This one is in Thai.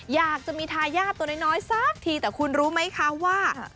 อยากจะมีทายาทตัวน้อยสักทีแต่คุณรู้ไหมคะว่า